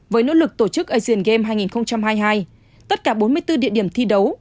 với nỗ lực tổ chức asian game hai nghìn hai mươi hai tất cả bốn mươi bốn địa điểm thi đấu